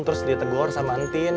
terus ditegor sama antin